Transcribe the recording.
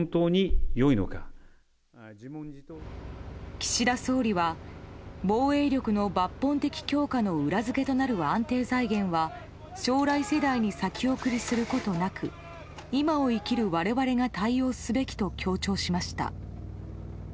岸田総理は防衛力の抜本的強化の裏付けとなる安定財源は将来世代に先送りすることなく今を生きる我々が対応すべきと強調しました。